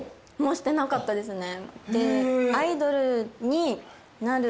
してなかったですね。